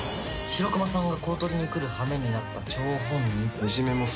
白熊さんが公取に来るはめになった張本人。